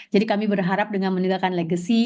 jadi kami berharap dengan meninggalkan legacy